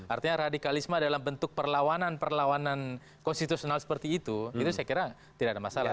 artinya radikalisme dalam bentuk perlawanan perlawanan konstitusional seperti itu itu saya kira tidak ada masalah